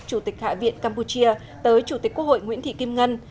chủ tịch hạ viện campuchia tới chủ tịch quốc hội nguyễn thị kim ngân